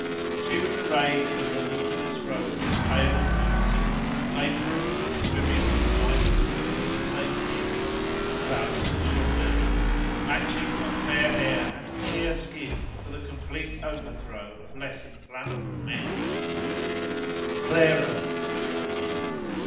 She was arrayed in a voluminous robe of pale blue silk vapourous with trimmings of light gauze of the same hue, gaze de Chambery, matching her fair hair and dear skin for the complete overthrow of less inflammable men than Willoughby. "Clara!" sighed be.